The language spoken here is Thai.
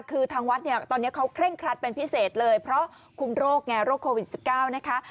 คือทางวัดเนี่ยตอนนี้เขาเคร่งครัดเป็นพิเศษเลยเพราะคุมโรคไงโรคโควิด๑๙นะคะ